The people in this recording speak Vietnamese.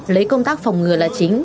lấy công tác phòng ngừa là chính